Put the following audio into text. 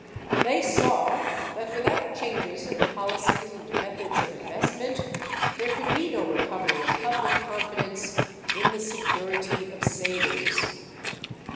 They saw that without changes in the policies and methods of investment there could be no recovery of public confidence in the security of savings.